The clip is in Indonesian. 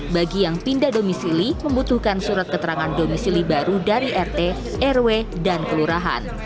bagi yang pindah domisili membutuhkan surat keterangan domisili baru dari rt rw dan kelurahan